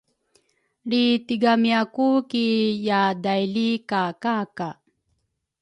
lri tigamia ku ki yaadaili ka kaka